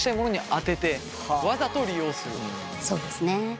そうですね。